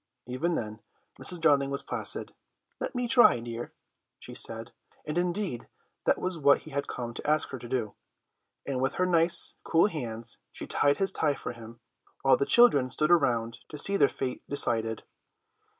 Even then Mrs. Darling was placid. "Let me try, dear," she said, and indeed that was what he had come to ask her to do, and with her nice cool hands she tied his tie for him, while the children stood around to see their fate decided.